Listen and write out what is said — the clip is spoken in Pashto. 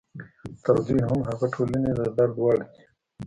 تر دوی هم هغه ټولنې د درد وړ دي.